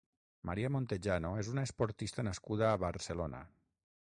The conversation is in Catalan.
María Montejano és una esportista nascuda a Barcelona.